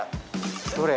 どれ？